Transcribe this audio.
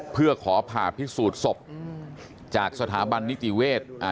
เพื่อขอผ่าพิสูจน์ศพจากสถาบันนิติเวศอ่า